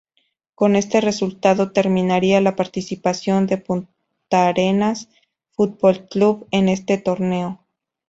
Con ese resultado terminaría la participación del Puntarenas Fútbol Club en este torneo.